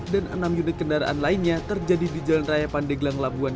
dan enam unit kendaraan lainnya terjadi di jalan raya pandeglang labuan